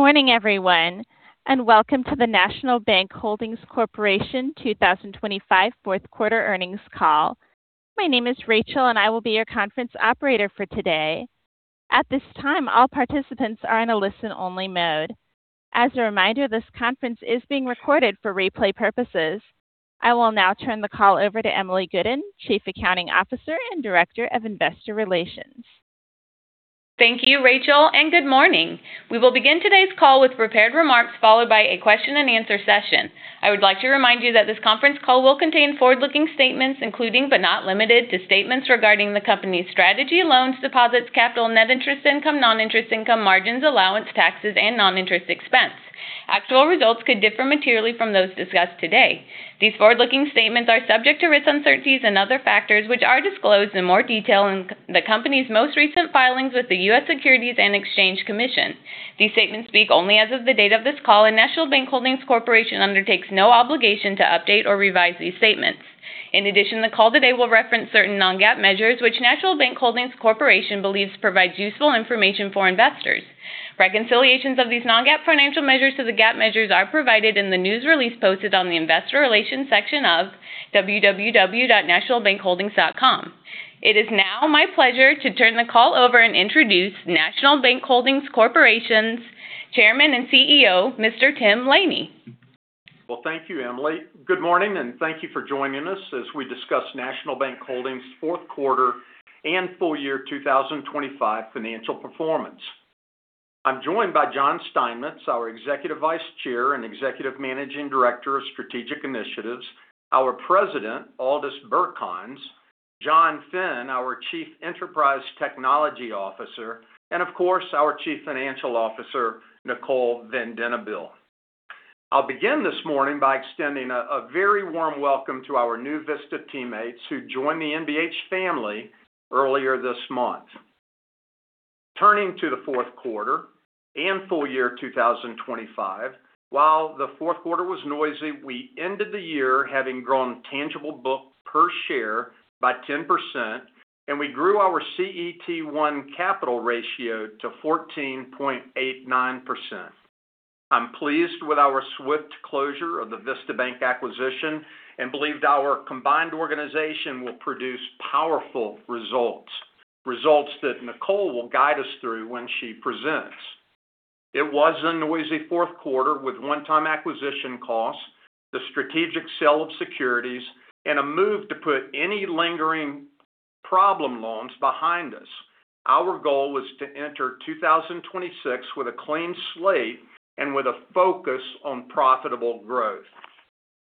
Morning, everyone, and welcome to the National Bank Holdings Corporation 2025 Fourth Quarter Earnings Call. My name is Rachel, and I will be your conference operator for today. At this time, all participants are in a listen-only mode. As a reminder, this conference is being recorded for replay purposes. I will now turn the call over to Emily Gooden, Chief Accounting Officer and Director of Investor Relations. Thank you, Rachel, and good morning. We will begin today's call with prepared remarks, followed by a question and answer session. I would like to remind you that this conference call will contain forward-looking statements, including but not limited to, statements regarding the company's strategy, loans, deposits, capital, net interest income, non-interest income, margins, allowance, taxes, and non-interest expense. Actual results could differ materially from those discussed today. These forward-looking statements are subject to risks, uncertainties, and other factors, which are disclosed in more detail in the company's most recent filings with the U.S. Securities and Exchange Commission. These statements speak only as of the date of this call, and National Bank Holdings Corporation undertakes no obligation to update or revise these statements. In addition, the call today will reference certain non-GAAP measures, which National Bank Holdings Corporation believes provides useful information for investors. Reconciliations of these non-GAAP financial measures to the GAAP measures are provided in the news release posted on the investor relations section of www.nationalbankholdings.com. It is now my pleasure to turn the call over and introduce National Bank Holdings Corporation's Chairman and CEO, Mr. Tim Laney. Well, thank you, Emily. Good morning, and thank you for joining us as we discuss National Bank Holdings' fourth quarter and full year 2025 financial performance. I'm joined by John Steinmetz, our Executive Vice Chair and Executive Managing Director of Strategic Initiatives, our President, Aldis Birkans, John Finn, our Chief Enterprise Technology Officer, and of course, our Chief Financial Officer, Nicole Van Denabeele. I'll begin this morning by extending a very warm welcome to our new Vista teammates who joined the NBH family earlier this month. Turning to the fourth quarter and full year 2025, while the fourth quarter was noisy, we ended the year having grown tangible book per share by 10%, and we grew our CET1 capital ratio to 14.89%. I'm pleased with our swift closure of the Vista Bank acquisition and believed our combined organization will produce powerful results, results that Nicole will guide us through when she presents. It was a noisy fourth quarter with one-time acquisition costs, the strategic sale of securities, and a move to put any lingering problem loans behind us. Our goal was to enter 2026 with a clean slate and with a focus on profitable growth.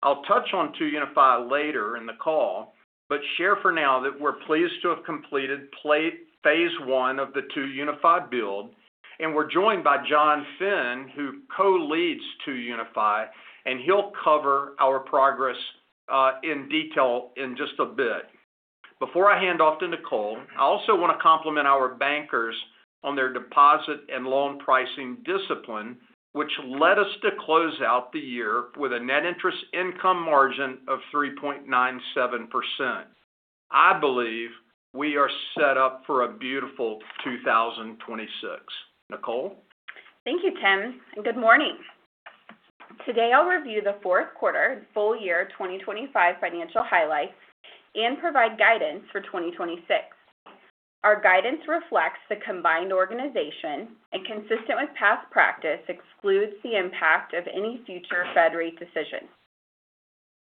I'll touch on 2UniFi later in the call, but share for now that we're pleased to have completed pilot phase one of the 2UniFi build, and we're joined by John Finn, who co-leads 2UniFi, and he'll cover our progress in detail in just a bit. Before I hand off to Nicole, I also want to compliment our bankers on their deposit and loan pricing discipline, which led us to close out the year with a net interest income margin of 3.97%. I believe we are set up for a beautiful 2026. Nicole? Thank you, Tim, and good morning. Today, I'll review the fourth quarter and full year financial highlights and provide guidance for 2026. Our guidance reflects the combined organization and, consistent with past practice, excludes the impact of any future Fed rate decisions.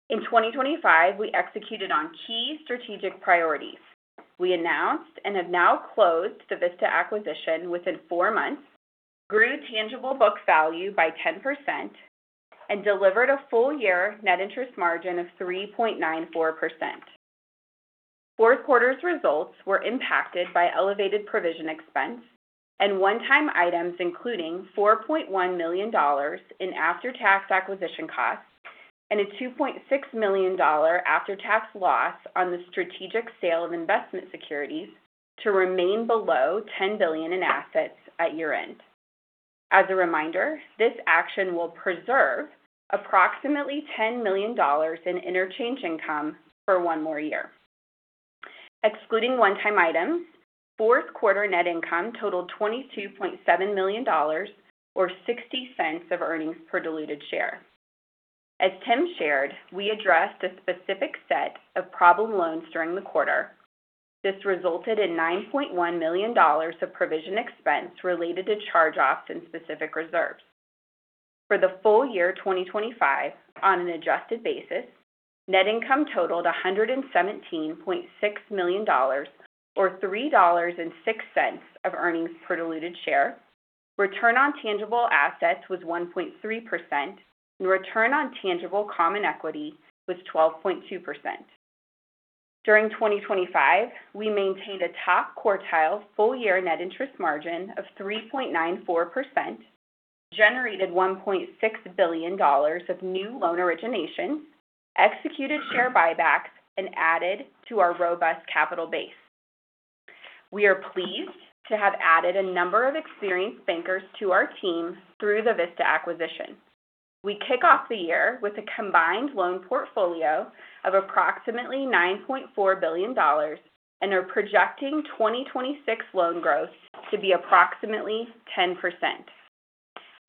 In 2025, we executed on key strategic priorities. We announced and have now closed the Vista acquisition within 4 months, grew tangible book value by 10%, and delivered a full-year net interest margin of 3.94%. Fourth quarter's results were impacted by elevated provision expense and one-time items, including $4.1 million in after-tax acquisition costs and a $2.6 million dollar after-tax loss on the strategic sale of investment securities to remain below $10 billion in assets at year-end. As a reminder, this action will preserve approximately $10 million in interchange income for one more year. Excluding one-time items, fourth quarter net income totaled $22.7 million or $0.60 of earnings per diluted share. As Tim shared, we addressed a specific set of problem loans during the quarter. This resulted in $9.1 million of provision expense related to charge-offs and specific reserves. For the full year 2025, on an adjusted basis, net income totaled $117.6 million, or $3.06 of earnings per diluted share. Return on tangible assets was 1.3%, and return on tangible common equity was 12.2%. During 2025, we maintained a top-quartile full-year net interest margin of 3.94%, generated $1.6 billion of new loan originations, executed share buybacks, and added to our robust capital base. We are pleased to have added a number of experienced bankers to our team through the Vista acquisition. We kick off the year with a combined loan portfolio of approximately $9.4 billion, and are projecting 2026 loan growth to be approximately 10%.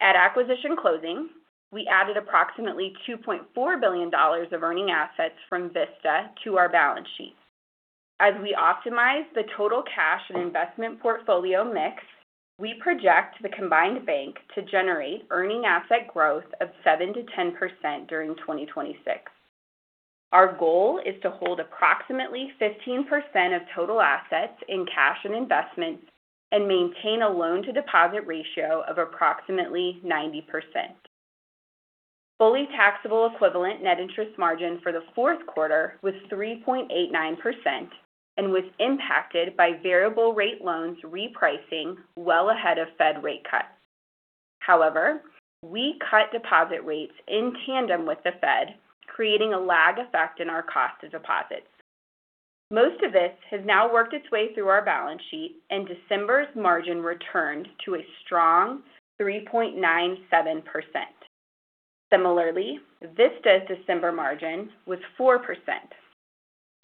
At acquisition closing, we added approximately $2.4 billion of earning assets from Vista to our balance sheet. As we optimize the total cash and investment portfolio mix, we project the combined bank to generate earning asset growth of 7%-10% during 2026. Our goal is to hold approximately 15% of total assets in cash and investments, and maintain a loan-to-deposit ratio of approximately 90%. Fully taxable equivalent net interest margin for the fourth quarter was 3.89% and was impacted by variable rate loans repricing well ahead of Fed rate cuts. However, we cut deposit rates in tandem with the Fed, creating a lag effect in our cost of deposits. Most of this has now worked its way through our balance sheet, and December's margin returned to a strong 3.97%. Similarly, Vista's December margin was 4%.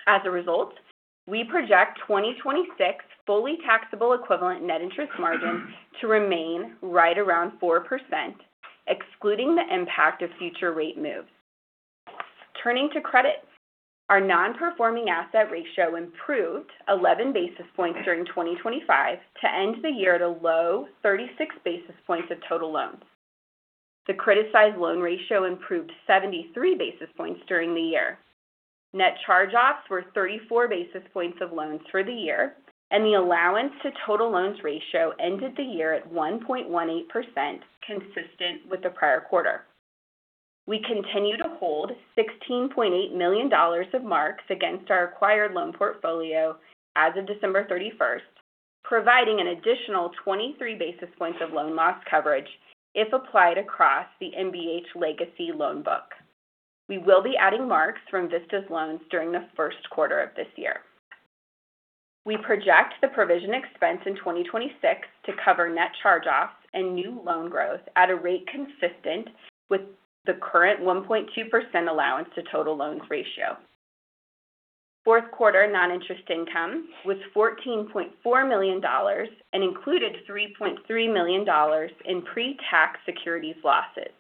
As a result, we project 2026 fully taxable equivalent net interest margin to remain right around 4%, excluding the impact of future rate moves. Turning to credit, our non-performing asset ratio improved 11 basis points during 2025 to end the year at a low 36 basis points of total loans. The criticized loan ratio improved 73 basis points during the year. Net charge-offs were 34 basis points of loans for the year, and the allowance to total loans ratio ended the year at 1.18%, consistent with the prior quarter. We continue to hold $16.8 million of marks against our acquired loan portfolio as of December 31st, providing an additional 23 basis points of loan loss coverage if applied across the NBH legacy loan book. We will be adding marks from Vista's loans during the first quarter of this year. We project the provision expense in 2026 to cover net charge-offs and new loan growth at a rate consistent with the current 1.2% allowance to total loans ratio. Fourth quarter non-interest income was $14.4 million and included $3.3 million in pre-tax securities losses.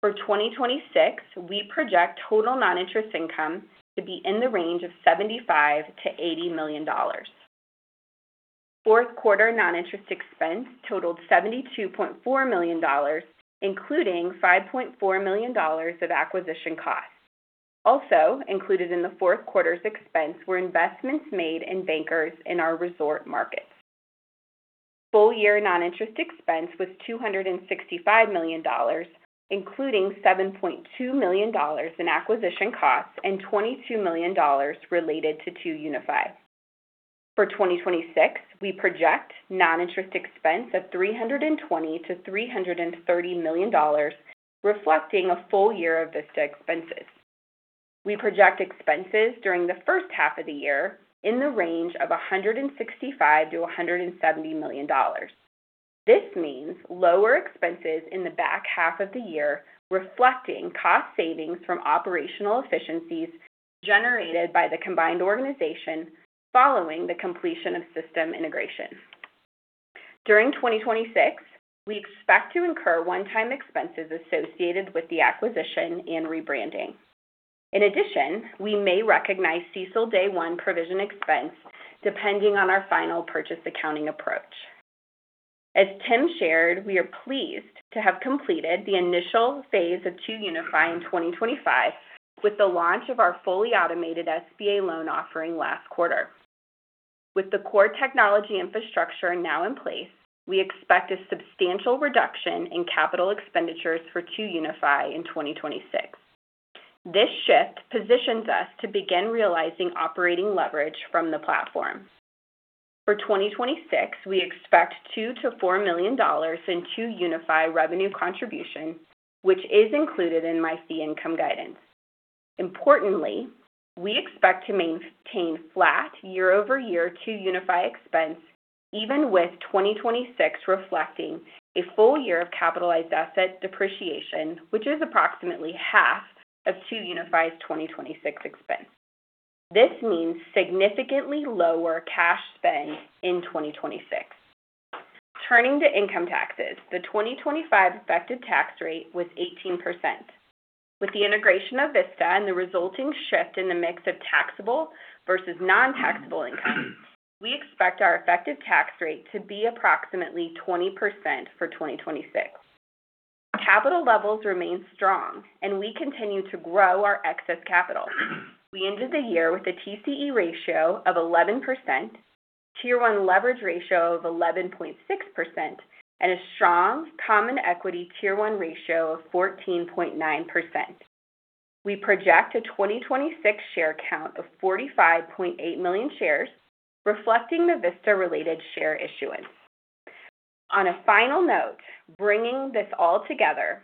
For 2026, we project total non-interest income to be in the range of $75 million-$80 million. Fourth quarter non-interest expense totaled $72.4 million, including $5.4 million of acquisition costs. Also included in the fourth quarter's expense were investments made in bankers in our resort markets. Full year non-interest expense was $265 million, including $7.2 million in acquisition costs and $22 million related to 2UniFi. For 2026, we project non-interest expense of $320 million-$330 million, reflecting a full year of Vista expenses. We project expenses during the first half of the year in the range of $165 million-$170 million. This means lower expenses in the back half of the year, reflecting cost savings from operational efficiencies generated by the combined organization following the completion of system integration. During 2026, we expect to incur one-time expenses associated with the acquisition and rebranding. In addition, we may recognize CECL day one provision expense, depending on our final purchase accounting approach. As Tim shared, we are pleased to have completed the initial phase of 2UniFi in 2025 with the launch of our fully automated SBA loan offering last quarter. With the core technology infrastructure now in place, we expect a substantial reduction in capital expenditures for 2UniFi in 2026. This shift positions us to begin realizing operating leverage from the platform. For 2026, we expect $2 million-$4 million in 2UniFi revenue contribution, which is included in my fee income guidance. Importantly, we expect to maintain flat year-over-year 2UniFi expense, even with 2026 reflecting a full year of capitalized asset depreciation, which is approximately half of 2UniFi's 2026 expense. This means significantly lower cash spend in 2026. Turning to income taxes, the 2025 effective tax rate was 18%. With the integration of Vista and the resulting shift in the mix of taxable versus non-taxable income, we expect our effective tax rate to be approximately 20% for 2026. Capital levels remain strong and we continue to grow our excess capital. We ended the year with a TCE ratio of 11%, Tier 1 leverage ratio of 11.6%, and a strong common equity Tier 1 ratio of 14.9%. We project a 2026 share count of 45.8 million shares, reflecting the Vista-related share issuance. On a final note, bringing this all together,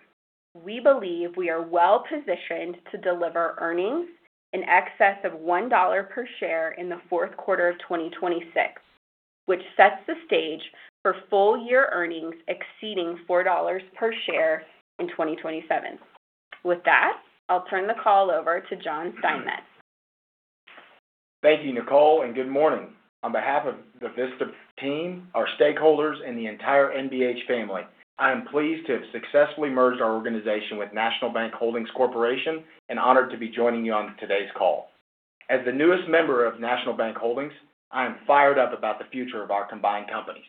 we believe we are well positioned to deliver earnings in excess of $1 per share in the fourth quarter of 2026, which sets the stage for full-year earnings exceeding $4 per share in 2027. With that, I'll turn the call over to John Steinmetz. Thank you, Nicole, and good morning. On behalf of the Vista team, our stakeholders, and the entire NBH family, I am pleased to have successfully merged our organization with National Bank Holdings Corporation, and honored to be joining you on today's call. As the newest member of National Bank Holdings, I am fired up about the future of our combined company.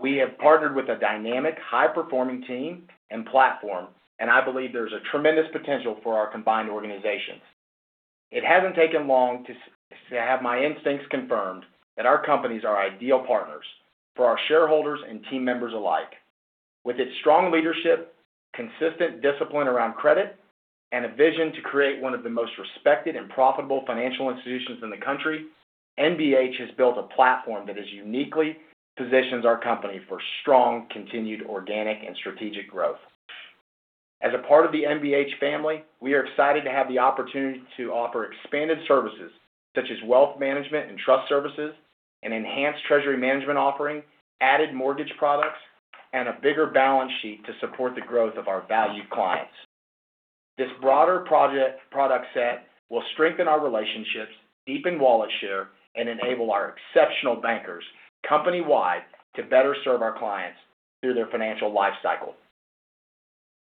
We have partnered with a dynamic, high-performing team and platform, and I believe there's a tremendous potential for our combined organization. It hasn't taken long to have my instincts confirmed that our companies are ideal partners for our shareholders and team members alike. With its strong leadership, consistent discipline around credit, and a vision to create one of the most respected and profitable financial institutions in the country, NBH has built a platform that has uniquely positions our company for strong, continued, organic, and strategic growth. As a part of the NBH family, we are excited to have the opportunity to offer expanded services such as wealth management and trust services, and enhanced treasury management offering, added mortgage products, and a bigger balance sheet to support the growth of our valued clients. This broader product set will strengthen our relationships, deepen wallet share, and enable our exceptional bankers, company-wide, to better serve our clients through their financial life cycle.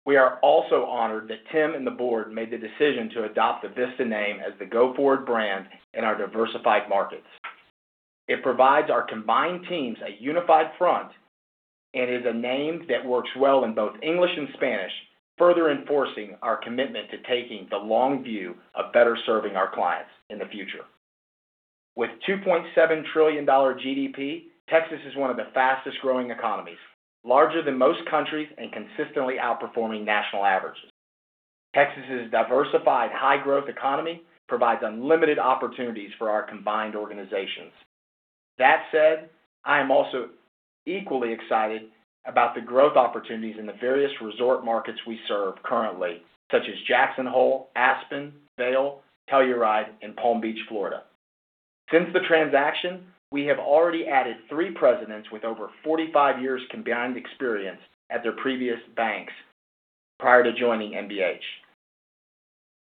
We are also honored that Tim and the board made the decision to adopt the Vista name as the go-forward brand in our diversified markets. It provides our combined teams a unified front, and is a name that works well in both English and Spanish, further enforcing our commitment to taking the long view of better serving our clients in the future. With $2.7 trillion GDP, Texas is one of the fastest-growing economies, larger than most countries, and consistently outperforming national averages. Texas's diversified, high-growth economy provides unlimited opportunities for our combined organizations. That said, I am also equally excited about the growth opportunities in the various resort markets we serve currently, such as Jackson Hole, Aspen, Vail, Telluride, and Palm Beach, Florida. Since the transaction, we have already added 3 presidents with over 45 years combined experience at their previous banks prior to joining NBH.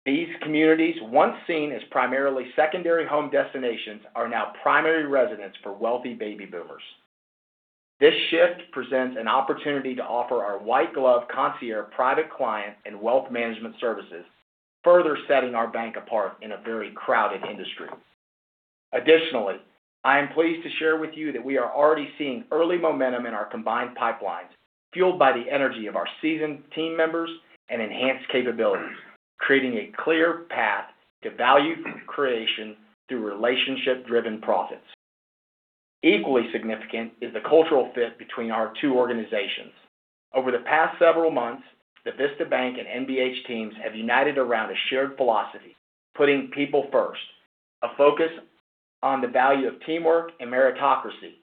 These communities, once seen as primarily secondary home destinations, are now primary residents for wealthy baby boomers. This shift presents an opportunity to offer our white-glove, concierge, private client, and wealth management services, further setting our bank apart in a very crowded industry. Additionally, I am pleased to share with you that we are already seeing early momentum in our combined pipelines, fueled by the energy of our seasoned team members and enhanced capabilities, creating a clear path to value creation through relationship-driven profits. Equally significant is the cultural fit between our two organizations. Over the past several months, the Vista Bank and NBH teams have united around a shared philosophy, putting people first, a focus on the value of teamwork and meritocracy,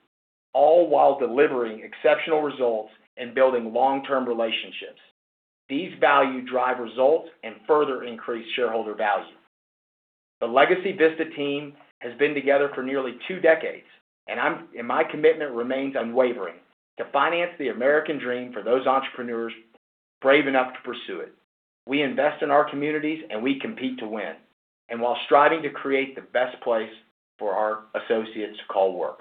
all while delivering exceptional results and building long-term relationships. These values drive results and further increase shareholder value. The legacy Vista team has been together for nearly two decades, and my commitment remains unwavering: to finance the American dream for those entrepreneurs brave enough to pursue it. We invest in our communities, and we compete to win, and while striving to create the best place for our associates to call work.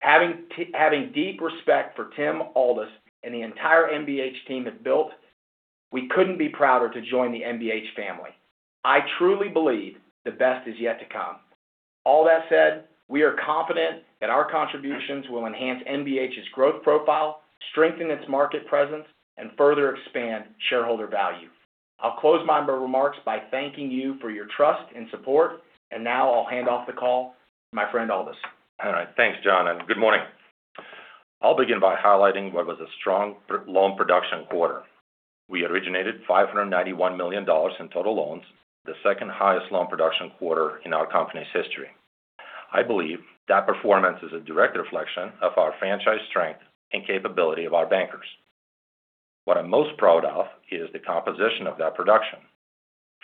Having having deep respect for Tim, Aldis, and the entire NBH team have built, we couldn't be prouder to join the NBH family. I truly believe the best is yet to come. All that said, we are confident that our contributions will enhance NBH's growth profile, strengthen its market presence, and further expand shareholder value. I'll close my remarks by thanking you for your trust and support, and now I'll hand off the call to my friend, Aldis. All right, thanks, John, and good morning. I'll begin by highlighting what was a strong loan production quarter. We originated $591 million in total loans, the second-highest loan production quarter in our company's history. I believe that performance is a direct reflection of our franchise strength and capability of our bankers. What I'm most proud of is the composition of that production.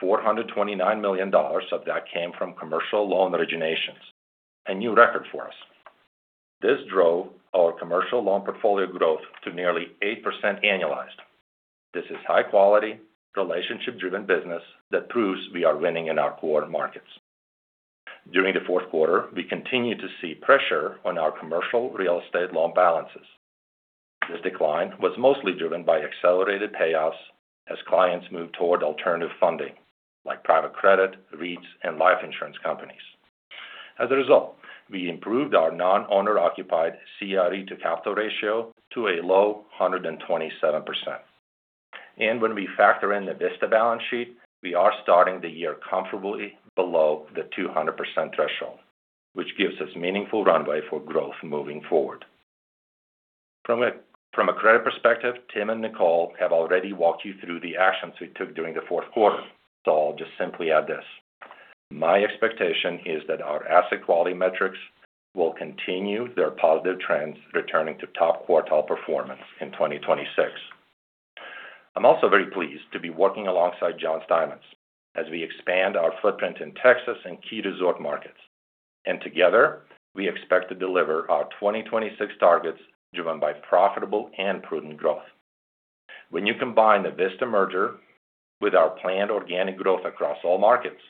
$429 million of that came from commercial loan originations, a new record for us. This drove our commercial loan portfolio growth to nearly 8% annualized. This is high quality, relationship-driven business that proves we are winning in our core markets. During the fourth quarter, we continued to see pressure on our commercial real estate loan balances. This decline was mostly driven by accelerated payoffs as clients moved toward alternative funding, like private credit, REITs, and life insurance companies. As a result, we improved our non-owner occupied CRE to capital ratio to a low 127%. And when we factor in the Vista balance sheet, we are starting the year comfortably below the 200% threshold, which gives us meaningful runway for growth moving forward. From a credit perspective, Tim and Nicole have already walked you through the actions we took during the fourth quarter, so I'll just simply add this: My expectation is that our asset quality metrics will continue their positive trends, returning to top quartile performance in 2026.... I'm also very pleased to be working alongside John Steinmetz as we expand our footprint in Texas and key resort markets. Together, we expect to deliver our 2026 targets, driven by profitable and prudent growth. When you combine the Vista merger with our planned organic growth across all markets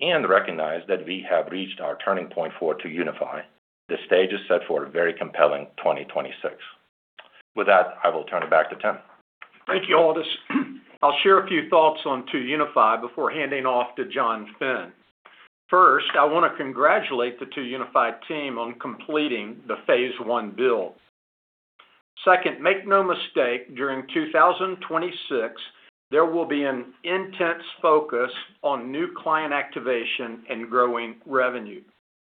and recognize that we have reached our turning point for 2UniFi, the stage is set for a very compelling 2026. With that, I will turn it back to Tim. Thank you, Aldis. I'll share a few thoughts on 2UniFi before handing off to John Finn. First, I want to congratulate the 2UniFi team on completing the phase one build. Second, make no mistake, during 2026, there will be an intense focus on new client activation and growing revenue.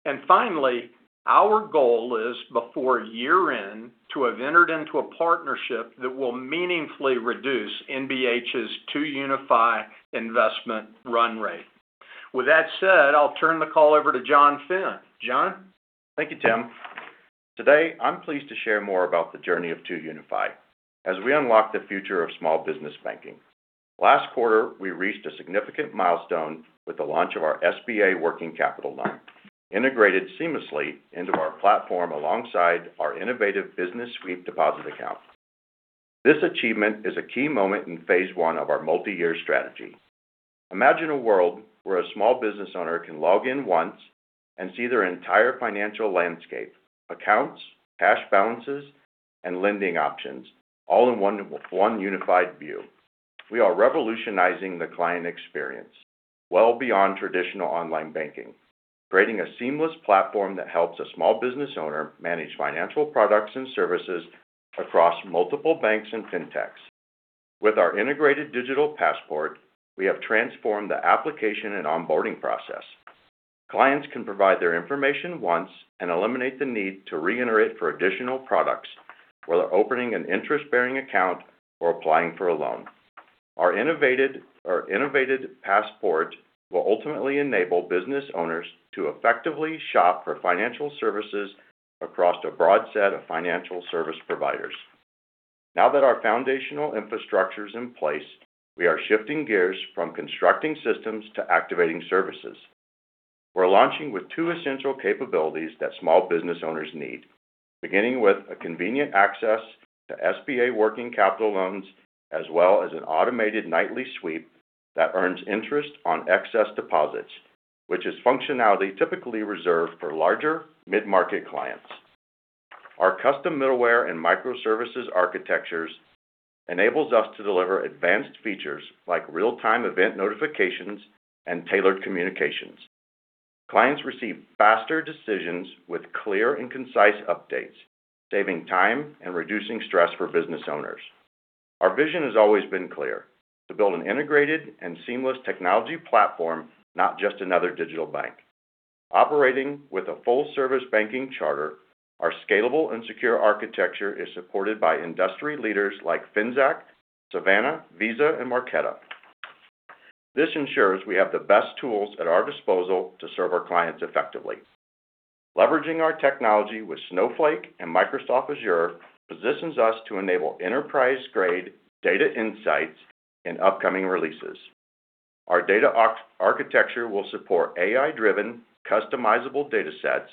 And finally, our goal is, before year-end, to have entered into a partnership that will meaningfully reduce NBH's 2UniFi investment run rate. With that said, I'll turn the call over to John Finn. John? Thank you, Tim. Today, I'm pleased to share more about the journey of 2UniFi as we unlock the future of small business banking. Last quarter, we reached a significant milestone with the launch of our SBA working capital loan, integrated seamlessly into our platform alongside our innovative Business Suite deposit account. This achievement is a key moment in phase one of our multi-year strategy. Imagine a world where a small business owner can log in once and see their entire financial landscape, accounts, cash balances, and lending options, all in one, one unified view. We are revolutionizing the client experience well beyond traditional online banking, creating a seamless platform that helps a small business owner manage financial products and services across multiple banks and fintechs. With our integrated Digital Passport, we have transformed the application and onboarding process. Clients can provide their information once and eliminate the need to reenter it for additional products, whether opening an interest-bearing account or applying for a loan. Our innovative, our innovative passport will ultimately enable business owners to effectively shop for financial services across a broad set of financial service providers. Now that our foundational infrastructure is in place, we are shifting gears from constructing systems to activating services. We're launching with two essential capabilities that small business owners need, beginning with a convenient access to SBA working capital loans, as well as an automated nightly sweep that earns interest on excess deposits, which is functionality typically reserved for larger mid-market clients. Our custom middleware and microservices architectures enables us to deliver advanced features like real-time event notifications and tailored communications. Clients receive faster decisions with clear and concise updates, saving time and reducing stress for business owners. Our vision has always been clear: to build an integrated and seamless technology platform, not just another digital bank. Operating with a full-service banking charter, our scalable and secure architecture is supported by industry leaders like Finxact, Savana, Visa, and Marqeta. This ensures we have the best tools at our disposal to serve our clients effectively. Leveraging our technology with Snowflake and Microsoft Azure positions us to enable enterprise-grade data insights in upcoming releases. Our data architecture will support AI-driven, customizable datasets,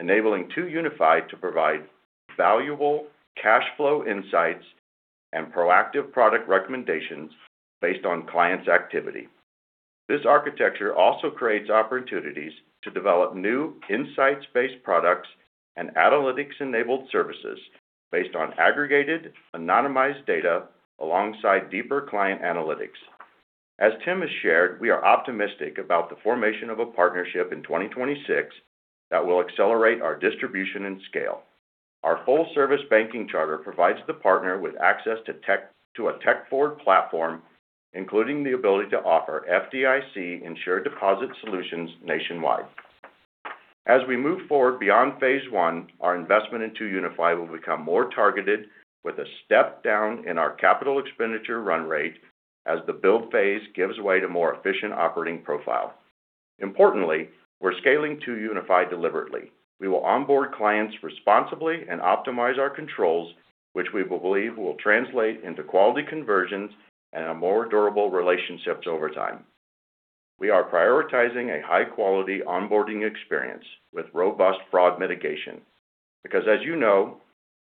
enabling 2UniFi to provide valuable cash flow insights and proactive product recommendations based on clients' activity. This architecture also creates opportunities to develop new insights-based products and analytics-enabled services based on aggregated, anonymized data alongside deeper client analytics. As Tim has shared, we are optimistic about the formation of a partnership in 2026 that will accelerate our distribution and scale. Our full-service banking charter provides the partner with access to a tech-forward platform, including the ability to offer FDIC-insured deposit solutions nationwide. As we move forward beyond phase one, our investment in 2UniFi will become more targeted with a step down in our capital expenditure run rate as the build phase gives way to more efficient operating profile. Importantly, we're scaling 2UniFi deliberately. We will onboard clients responsibly and optimize our controls, which we believe will translate into quality conversions and a more durable relationships over time. We are prioritizing a high-quality onboarding experience with robust fraud mitigation, because, as you know,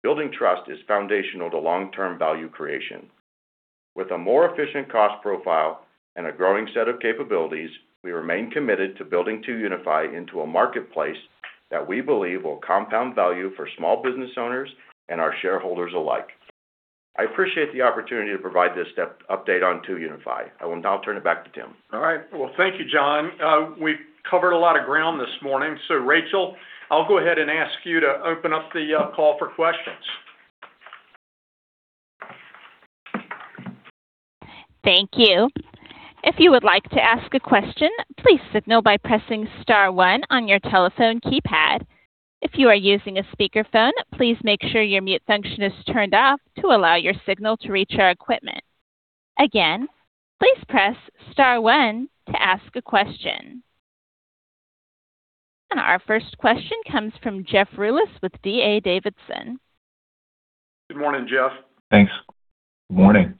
building trust is foundational to long-term value creation. With a more efficient cost profile and a growing set of capabilities, we remain committed to building 2UniFi into a marketplace that we believe will compound value for small business owners and our shareholders alike. I appreciate the opportunity to provide this step update on 2UniFi. I will now turn it back to Tim. All right. Well, thank you, John. We've covered a lot of ground this morning. So Rachel, I'll go ahead and ask you to open up the call for questions. Thank you. If you would like to ask a question, please signal by pressing star one on your telephone keypad. If you are using a speakerphone, please make sure your mute function is turned off to allow your signal to reach our equipment. Again, please press star one to ask a question. Our first question comes from Jeff Rulis with D.A. Davidson. Good morning, Jeff. Thanks. Good morning.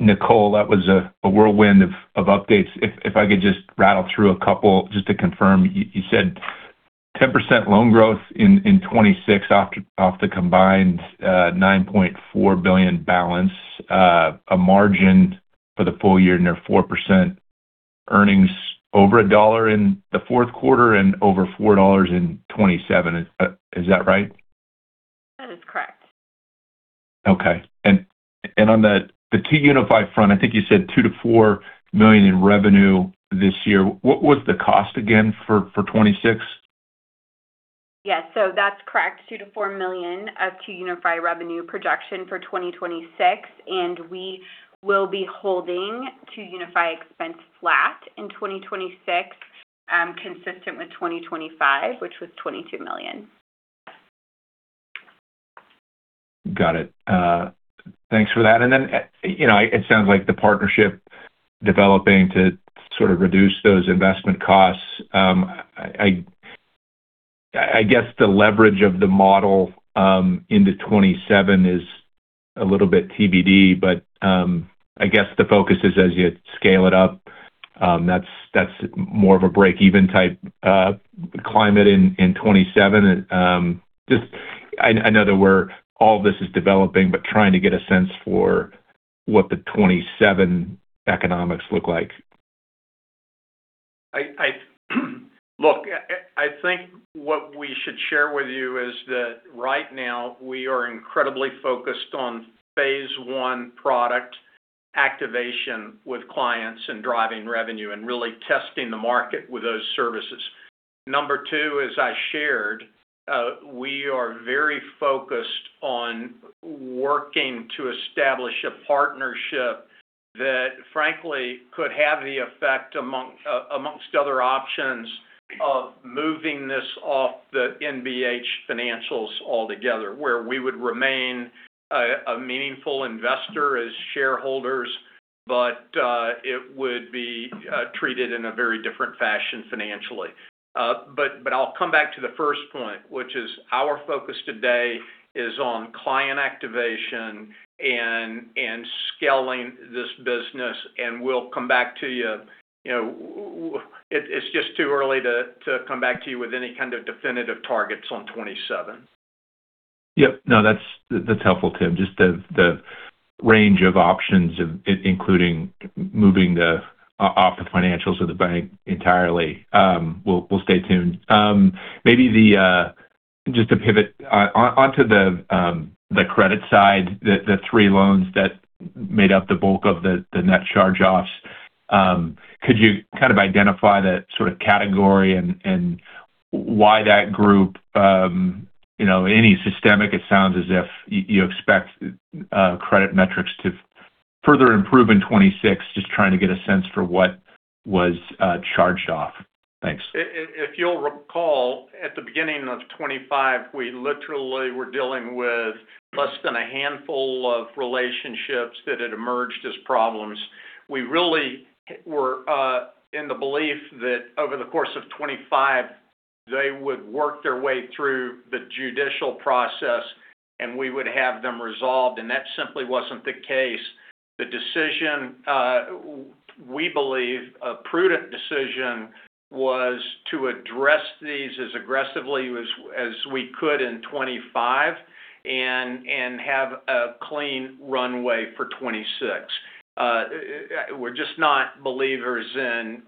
Nicole, that was a whirlwind of updates. If I could just rattle through a couple just to confirm. You said 10% loan growth in 2026 off the combined $9.4 billion balance, a margin for the full year near 4% earnings over $1 in the fourth quarter and over $4 in 2027. Is that right? That is correct. Okay. And on the 2UniFi front, I think you said $2-4 million in revenue this year. What was the cost again for 2026? Yes. So that's correct. $2 million-$4 million of 2UniFi revenue projection for 2026, and we will be holding 2UniFi expense flat in 2026, consistent with 2025, which was $22 million. Got it. Thanks for that. And then, you know, it sounds like the partnership developing to sort of reduce those investment costs. I, I guess the leverage of the model into 2027 is a little bit TBD, but, I guess the focus is as you scale it up, that's, that's more of a break even type climate in 2027. Just I, I know that we're all this is developing, but trying to get a sense for what the 2027 economics look like. Look, I think what we should share with you is that right now we are incredibly focused on phase one product activation with clients and driving revenue and really testing the market with those services. Number two, as I shared, we are very focused on working to establish a partnership that frankly could have the effect amongst other options, of moving this off the NBH financials altogether, where we would remain a meaningful investor as shareholders, but it would be treated in a very different fashion financially. But I'll come back to the first point, which is our focus today is on client activation and scaling this business, and we'll come back to you. You know, it's just too early to come back to you with any kind of definitive targets on 2027. Yep. No, that's, that's helpful, Tim. Just the range of options, including moving off the financials of the bank entirely. We'll, we'll stay tuned. Maybe just to pivot on, onto the credit side, the three loans that made up the bulk of the net charge-offs, could you kind of identify the sort of category and why that group, you know, any systemic, it sounds as if you expect credit metrics to further improve in 2026? Just trying to get a sense for what was charged off. Thanks. If you'll recall, at the beginning of 2025, we literally were dealing with less than a handful of relationships that had emerged as problems. We really were in the belief that over the course of 2025, they would work their way through the judicial process, and we would have them resolved, and that simply wasn't the case. The decision, we believe a prudent decision, was to address these as aggressively as we could in 2025 and have a clean runway for 2026. We're just not believers in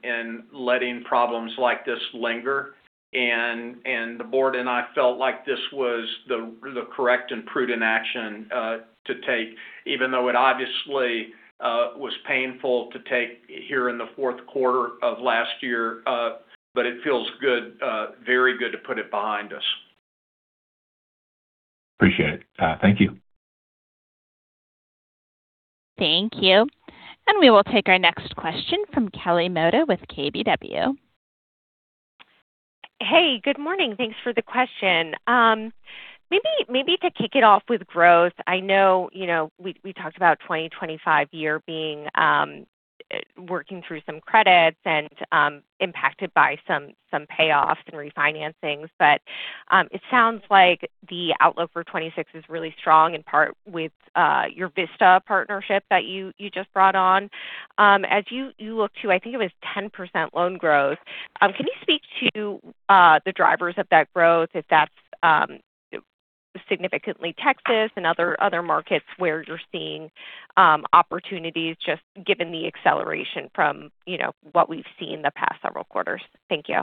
letting problems like this linger, and the board and I felt like this was the correct and prudent action to take, even though it obviously was painful to take here in the fourth quarter of last year. But it feels good, very good, to put it behind us. Appreciate it. Thank you. Thank you. And we will take our next question from Kelly Motta with KBW. Hey, good morning. Thanks for the question. Maybe to kick it off with growth. I know, you know, we talked about 2025 being working through some credits and impacted by some payoffs and refinancings. But, it sounds like the outlook for 2026 is really strong, in part with your Vista partnership that you just brought on. As you look to I think it was 10% loan growth, can you speak to the drivers of that growth, if that's significantly Texas and other markets where you're seeing opportunities, just given the acceleration from, you know, what we've seen the past several quarters? Thank you.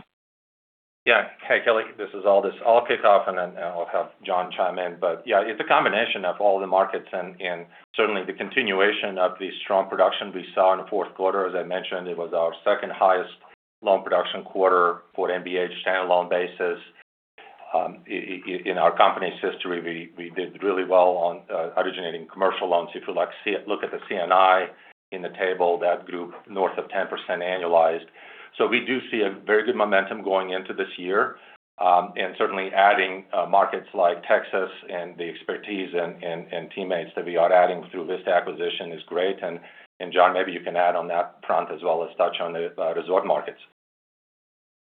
Yeah. Hey, Kelly, this is Aldis. I'll kick off, and then I'll have John chime in. But yeah, it's a combination of all the markets and, and certainly the continuation of the strong production we saw in the fourth quarter. As I mentioned, it was our second highest loan production quarter for NBH standalone basis. In our company's history, we, we did really well on originating commercial loans. If you like, look at the C&I in the table, that group north of 10% annualized. So we do see a very good momentum going into this year. And certainly adding markets like Texas and the expertise and, and, and teammates that we are adding through this acquisition is great. And, and John, maybe you can add on that front as well as touch on the resort markets.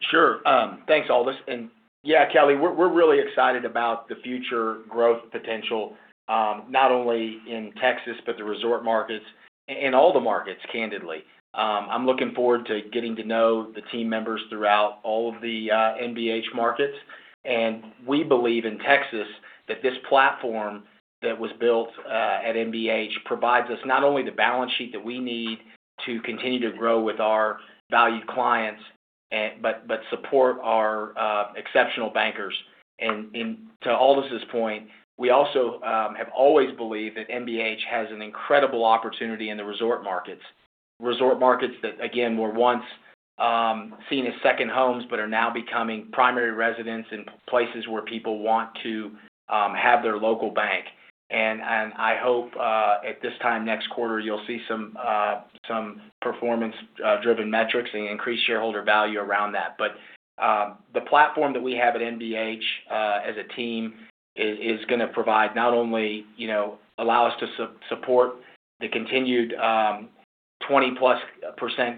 Sure. Thanks, Aldis. And yeah, Kelly, we're, we're really excited about the future growth potential, not only in Texas but the resort markets and all the markets, candidly. I'm looking forward to getting to know the team members throughout all of the, NBH markets. And we believe in Texas that this platform that was built, at NBH provides us not only the balance sheet that we need to continue to grow with our valued clients, and, but, but support our, exceptional bankers. And, and to Aldis's point, we also, have always believed that NBH has an incredible opportunity in the resort markets. Resort markets that, again, were once, seen as second homes but are now becoming primary residents and places where people want to, have their local bank. I hope at this time next quarter, you'll see some performance driven metrics and increased shareholder value around that. But the platform that we have at NBH as a team is going to provide not only, you know, allow us to support the continued 20%+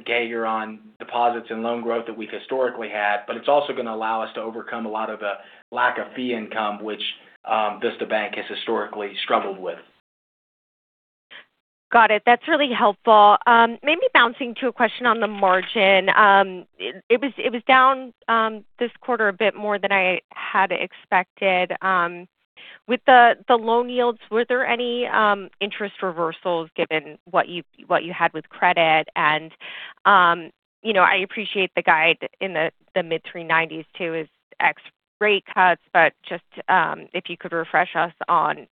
year-on-year deposits and loan growth that we've historically had, but it's also going to allow us to overcome a lot of the lack of fee income, which Vista Bank has historically struggled with. Got it. That's really helpful. Maybe bouncing to a question on the margin. It was, it was down, this quarter a bit more than I had expected. With the, the loan yields, were there any, interest reversals given what you, what you had with credit? And, you know, I appreciate the guide in the, the mid-3.90s too, is ex rate cuts, but just, if you could refresh us on...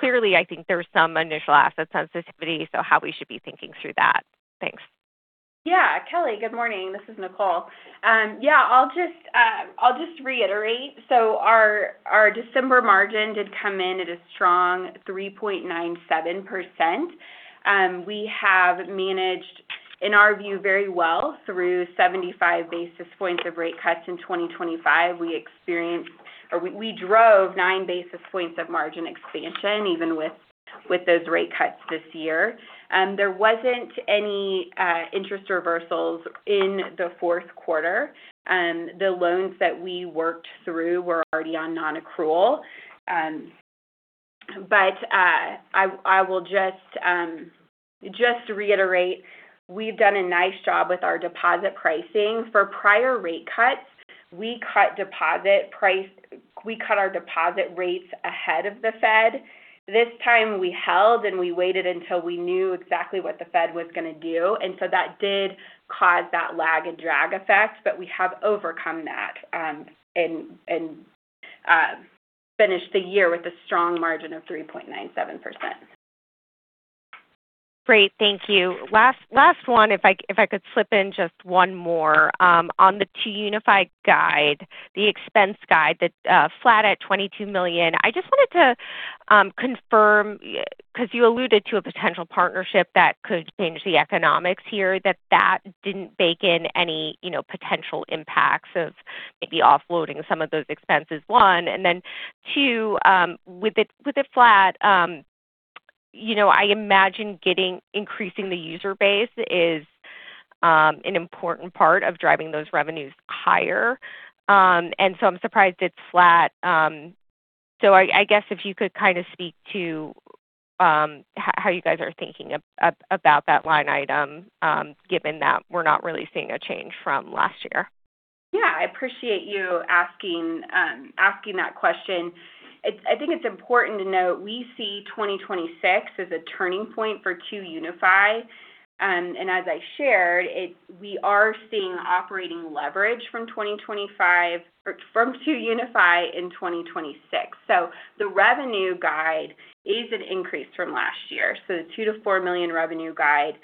Clearly, I think there was some initial asset sensitivity, so how we should be thinking through that? Thanks. Yeah. Kelly, good morning. This is Nicole. Yeah, I'll just reiterate. So our December margin did come in at a strong 3.97%. We have managed, in our view, very well through 75 basis points of rate cuts in 2025. We experienced, or we drove 9 basis points of margin expansion, even with those rate cuts this year. There wasn't any interest reversals in the fourth quarter. The loans that we worked through were already on nonaccrual. But I will just to reiterate, we've done a nice job with our deposit pricing. For prior rate cuts, we cut deposit price, we cut our deposit rates ahead of the Fed. This time, we held, and we waited until we knew exactly what the Fed was going to do, and so that did cause that lag and drag effect, but we have overcome that, and finished the year with a strong margin of 3.97%. Great. Thank you. Last, last one, if I could slip in just one more. On the 2UniFi guidance, the expense guidance, that's flat at $22 million, I just wanted to confirm, because you alluded to a potential partnership that could change the economics here, that that didn't bake in any, you know, potential impacts of maybe offloading some of those expenses, one. And then two, with it flat, you know, I imagine increasing the user base is an important part of driving those revenues higher. And so I'm surprised it's flat. So I guess if you could kind of speak to how you guys are thinking about that line item, given that we're not really seeing a change from last year. Yeah, I appreciate you asking that question. It's I think it's important to note, we see 2026 as a turning point for 2UniFi. And as I shared, we are seeing operating leverage from 2025, or from 2UniFi in 2026. So the revenue guide is an increase from last year. So the $2 million-$4 million revenue guide,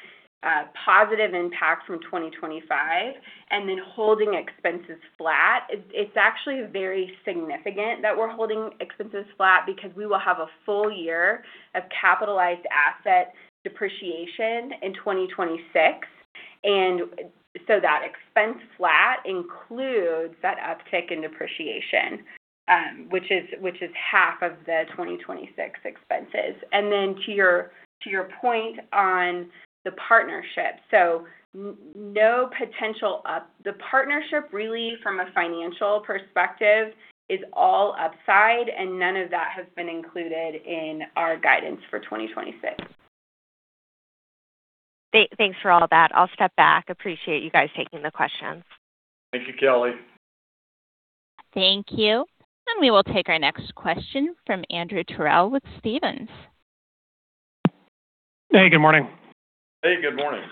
positive impact from 2025, and then holding expenses flat. It's actually very significant that we're holding expenses flat because we will have a full year of capitalized asset depreciation in 2026. And so that expense flat includes that uptick in depreciation, which is half of the 2026 expenses. And then to your point on the partnership. The partnership, really, from a financial perspective, is all upside, and none of that has been included in our guidance for 2026. Thanks for all that. I'll step back. Appreciate you guys taking the questions. Thank you, Kelly. Thank you. We will take our next question from Andrew Terrell with Stephens. Hey, good morning. Hey, good morning.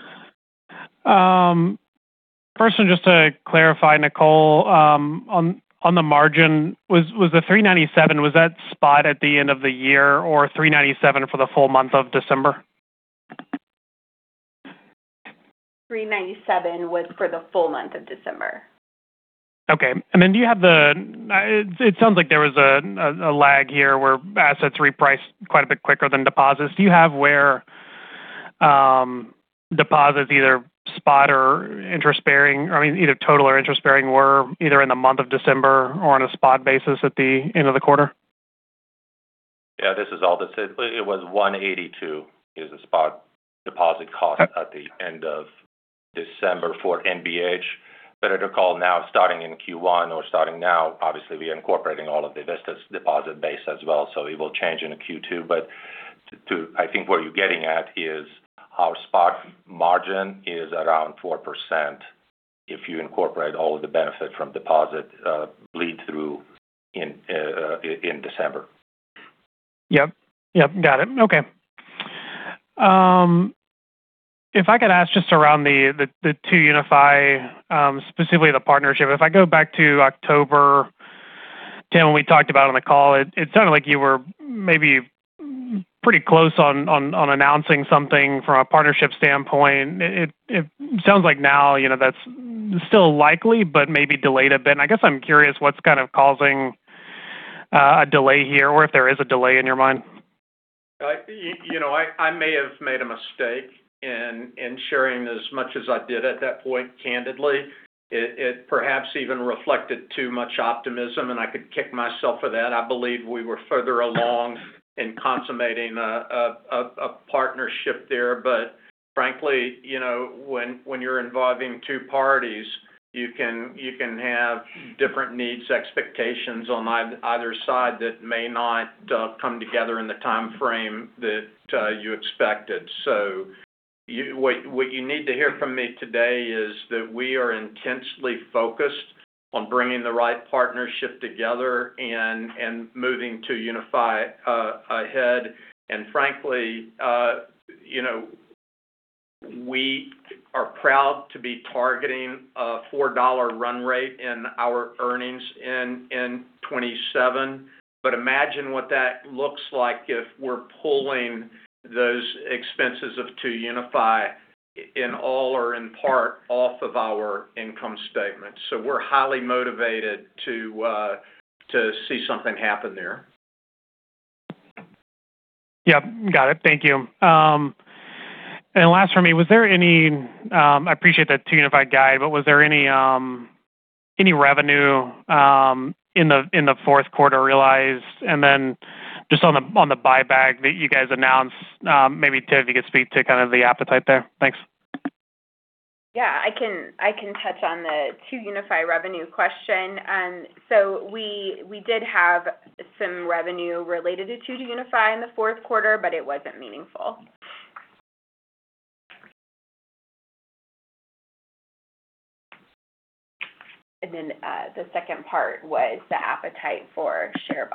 First, just to clarify, Nicole, on the margin, was the 3.97 spot at the end of the year or 3.97 for the full month of December? 3.97 was for the full month of December. Okay. It sounds like there was a lag here where assets repriced quite a bit quicker than deposits. Do you have where deposits either spot or interest bearing, I mean, either total or interest bearing, were either in the month of December or on a spot basis at the end of the quarter? Yeah, this is Aldis. It was 1.82 is the spot deposit cost at the end of December for NBH. But I recall now, starting in Q1 or starting now, obviously, we're incorporating all of the Vista's deposit base as well, so it will change in Q2. But I think what you're getting at is our spot margin is around 4% if you incorporate all of the benefit from deposit bleed through in December. Yep. Yep, got it. Okay. If I could ask just around the 2UniFi, specifically the partnership. If I go back to October, Tim, when we talked about on the call, it sounded like you were maybe pretty close on announcing something from a partnership standpoint. It sounds like now, you know, that's still likely, but maybe delayed a bit. I guess I'm curious what's kind of causing a delay here, or if there is a delay in your mind? You know, I may have made a mistake in sharing as much as I did at that point, candidly. It perhaps even reflected too much optimism, and I could kick myself for that. I believe we were further along in consummating a partnership there. But frankly, you know, when you're involving two parties, you can have different needs, expectations on either side that may not come together in the timeframe that you expected. So, what you need to hear from me today is that we are intensely focused on bringing the right partnership together and moving to unify ahead. And frankly, you know, we are proud to be targeting a $4 run rate in our earnings in 2027. But imagine what that looks like if we're pulling those expenses of 2UniFi, in all or in part, off of our income statement. So we're highly motivated to see something happen there. Yep, got it. Thank you. And last for me, was there any... I appreciate that 2UniFi guide, but was there any revenue in the fourth quarter realized? And then just on the buyback that you guys announced, maybe, Tim, if you could speak to kind of the appetite there. Thanks. Yeah, I can, I can touch on the 2UniFi revenue question. So we, we did have some revenue related to 2UniFi in the fourth quarter, but it wasn't meaningful. And then, the second part was the appetite for share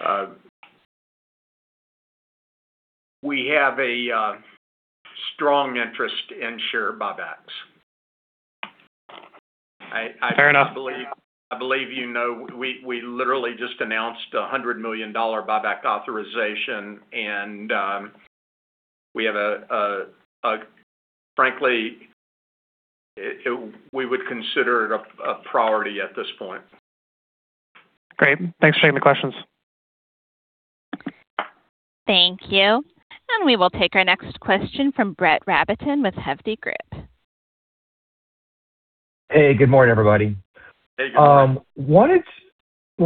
buyback. We have a strong interest in share buybacks. Fair enough. I believe you know, we literally just announced $100 million buyback authorization, and frankly, we would consider it a priority at this point. Great. Thanks for taking the questions. Thank you. We will take our next question from Brett Rabatin with Hovde Group. Hey, good morning, everybody. Hey, good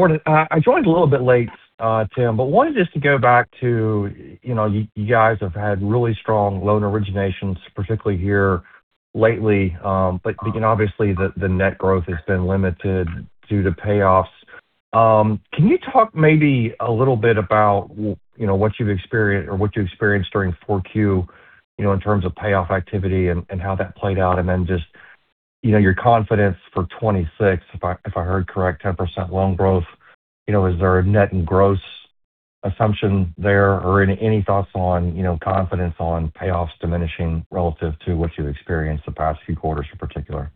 morning. I joined a little bit late, Tim, but wanted just to go back to, you know, you guys have had really strong loan originations, particularly here lately, but then obviously, the net growth has been limited due to payoffs. Can you talk maybe a little bit about, you know, what you've experienced, or what you experienced during 4Q, you know, in terms of payoff activity and how that played out? And then just, you know, your confidence for 2026, if I heard correct, 10% loan growth. You know, is there a net and gross assumption there? Or any thoughts on, you know, confidence on payoffs diminishing relative to what you've experienced the past few quarters in particular?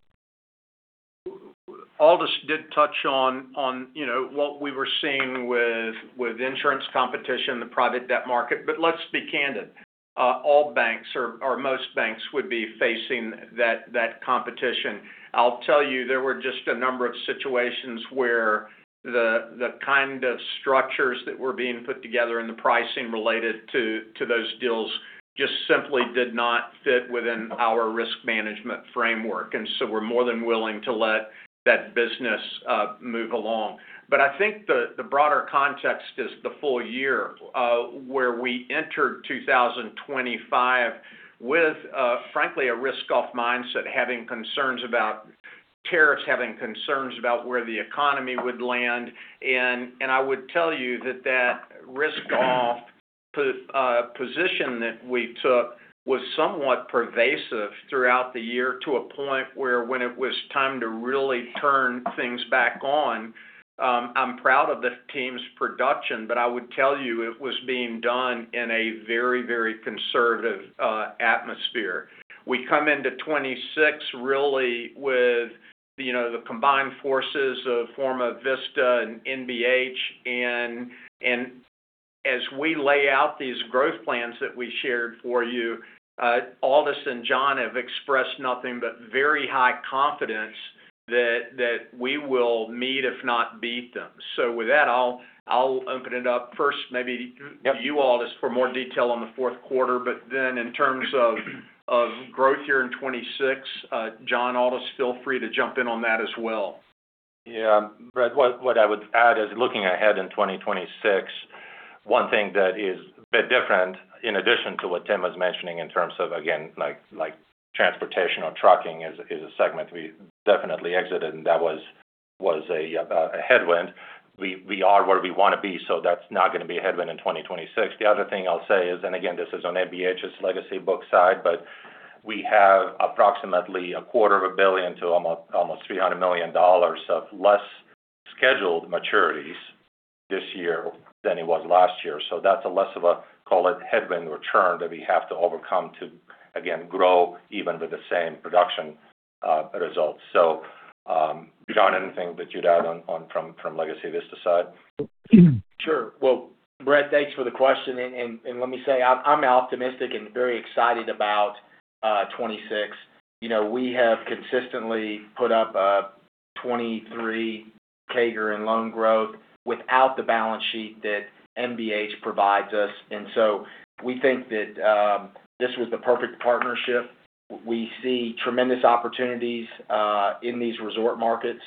Aldis did touch on, you know, what we were seeing with insurance competition, the private debt market. But let's be candid, all banks or most banks would be facing that competition. I'll tell you, there were just a number of situations where the kind of structures that were being put together and the pricing related to those deals, just simply did not fit within our risk management framework, and so we're more than willing to let that business move along. But I think the broader context is the full year, where we entered 2025 with, frankly, a risk-off mindset, having concerns about tariffs, having concerns about where the economy would land. I would tell you that that risk-off position that we took was somewhat pervasive throughout the year, to a point where when it was time to really turn things back on, I'm proud of the team's production, but I would tell you it was being done in a very, very conservative atmosphere. We come into 2026 really with, you know, the combined forces of Forma, Vista, and NBH. And as we lay out these growth plans that we shared for you, Aldis and John have expressed nothing but very high confidence that we will meet, if not beat them. So with that, I'll, I'll open it up first, maybe to you all, just for more detail on the fourth quarter, but then in terms of, of growth here in 2026, John, Aldis, feel free to jump in on that as well. Yeah, Brett, what, what I would add is looking ahead in 2026, one thing that is a bit different, in addition to what Tim was mentioning in terms of, again, like, like transportation or trucking is a segment we definitely exited, and that was a headwind. We are where we want to be, so that's not gonna be a headwind in 2026. The other thing I'll say is, and again, this is on NBH's legacy book side, but we have approximately $250 million to almost $300 million of less scheduled maturities this year than it was last year. So that's less of a, call it, headwind return that we have to overcome to, again, grow even with the same production results. So, John, anything that you'd add on from legacy Vista side? Sure. Well, Brett, thanks for the question, and let me say, I'm optimistic and very excited about 2026. You know, we have consistently put up a 23 CAGR in loan growth without the balance sheet that NBH provides us. And so we think that this was the perfect partnership. We see tremendous opportunities in these resort markets.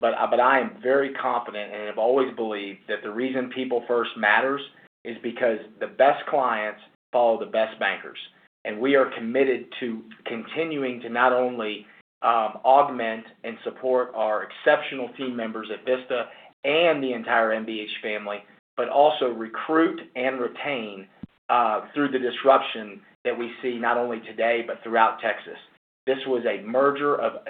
But I am very confident, and have always believed, that the reason people first matters is because the best clients follow the best bankers. And we are committed to continuing to not only augment and support our exceptional team members at Vista and the entire NBH family, but also recruit and retain through the disruption that we see not only today, but throughout Texas. This was a merger of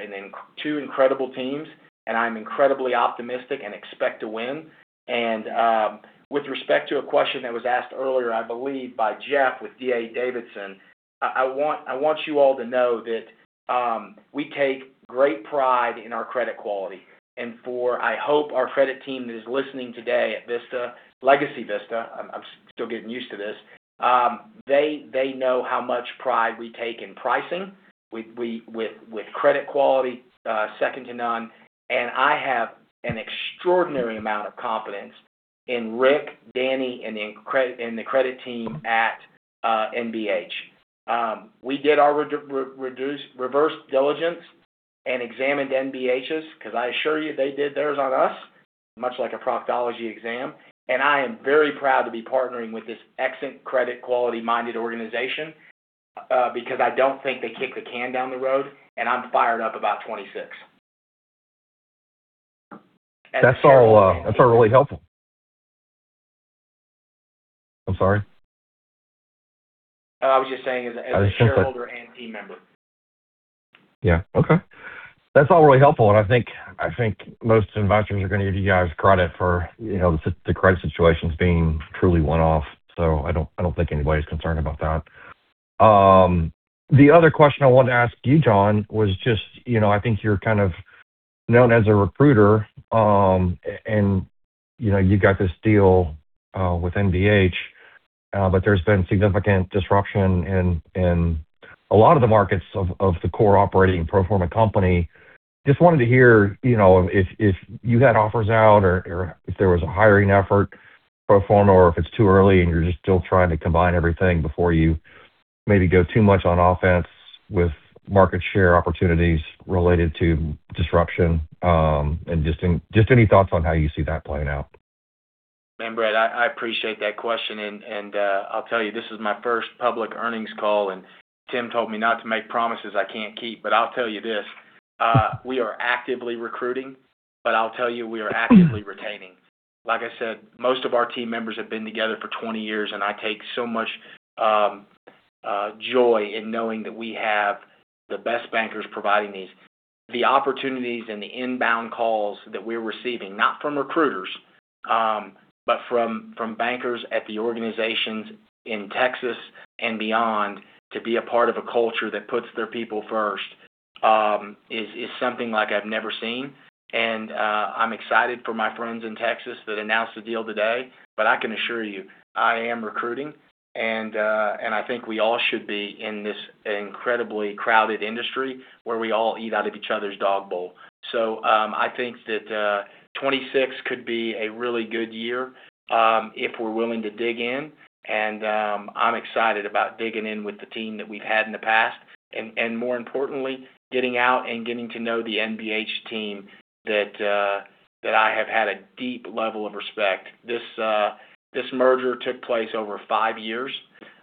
two incredible teams, and I'm incredibly optimistic and expect to win. With respect to a question that was asked earlier, I believe by Jeff Rulis with D.A. Davidson, I want you all to know that, we take great pride in our credit quality. And for, I hope our credit team that is listening today at Vista, legacy Vista, I'm still getting used to this, they know how much pride we take in pricing. We with credit quality second to none, and I have an extraordinary amount of confidence in Rick, Danny, and the credit team at NBH. We did our reverse diligence and examined NBH's, because I assure you, they did theirs on us, much like a proctology exam. I am very proud to be partnering with this excellent credit quality-minded organization, because I don't think they kick the can down the road, and I'm fired up about 2026. That's all, that's all really helpful. I'm sorry? I was just saying as a shareholder and team member. Yeah. Okay. That's emilall really helpful, and I think, I think most investors are going to give you guys credit for, you know, the credit situations being truly one-off, so I don't, I don't think anybody's concerned about that. The other question I wanted to ask you, John, was just, you know, I think you're kind of known as a recruiter, and, you know, you got this deal with NBH, but there's been significant disruption in a lot of the markets of the core operating pro forma company. Just wanted to hear, you know, if you had offers out or if there was a hiring effort pro forma, or if it's too early and you're just still trying to combine everything before you maybe go too much on offense with market share opportunities related to disruption. Just any thoughts on how you see that playing out? And Brett, I appreciate that question, and I'll tell you, this is my first public earnings call, and Tim told me not to make promises I can't keep. But I'll tell you this: we are actively recruiting, but I'll tell you, we are actively retaining. Like I said, most of our team members have been together for 20 years, and I take so much joy in knowing that we have the best bankers providing these. The opportunities and the inbound calls that we're receiving, not from recruiters, but from bankers at the organizations in Texas and beyond, to be a part of a culture that puts their people first, is something like I've never seen. And I'm excited for my friends in Texas that announced the deal today. But I can assure you, I am recruiting, and, and I think we all should be in this incredibly crowded industry where we all eat out of each other's dog bowl. So, I think that, twenty-six could be a really good year, if we're willing to dig in, and, I'm excited about digging in with the team that we've had in the past, and, and more importantly, getting out and getting to know the NBH team that, that I have had a deep level of respect. This, this merger took place over 5 years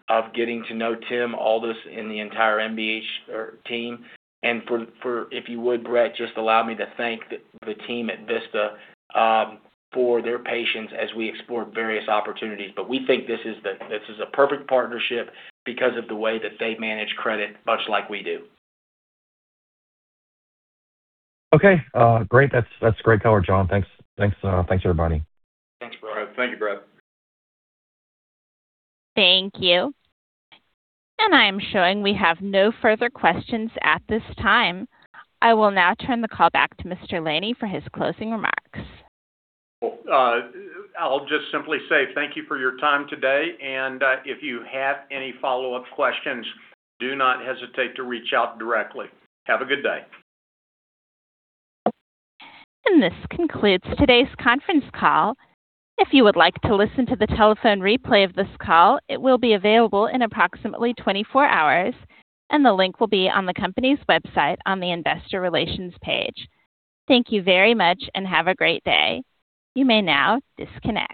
of getting to know Tim, Aldis, and the entire NBH team. If you would, Brett, just allow me to thank the team at Vista for their patience as we explore various opportunities. But we think this is a perfect partnership because of the way that they manage credit, much like we do. Okay, great. That's, that's great color, John. Thanks, thanks, thanks, everybody. Thanks, Brett. Thank you, Brett. Thank you. I am showing we have no further questions at this time. I will now turn the call back to Mr. Laney for his closing remarks. I'll just simply say thank you for your time today, and, if you have any follow-up questions, do not hesitate to reach out directly. Have a good day. This concludes today's conference call. If you would like to listen to the telephone replay of this call, it will be available in approximately 24 hours, and the link will be on the company's website, on the Investor Relations page. Thank you very much and have a great day. You may now disconnect.